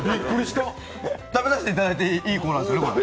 食べさせていただいていいコーナーですよね？